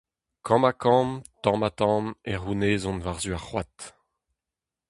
Kamm ha kamm, tamm ha tamm, e c'hounezont war-zu ar c'hoad.